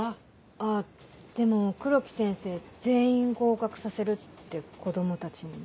あっでも黒木先生「全員合格させる」って子供たちにも。